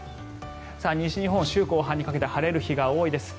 西日本、週後半にかけて晴れる日が多いです。